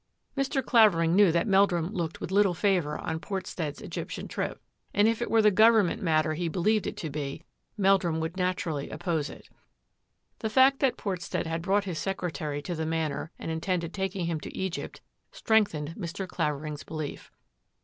Mr. Clavering knew that Meldnim loob little favour on Portstead's Egyptian trip, it were the government matter he believed i Meldrum would naturally oppose it. Tl that Portstead had brought his secretary Manor and intended taking him to strengthened Mr. Clavering's belief.